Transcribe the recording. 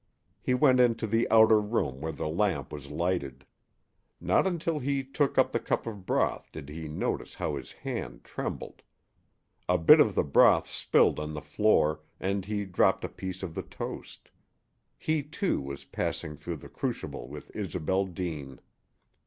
He went into the outer room where the lamp was lighted. Not until he took up the cup of broth did he notice how his hand trembled. A bit of the broth spilled on the floor, and he dropped a piece of the toast. He, too, was passing through the crucible with Isobel Deane.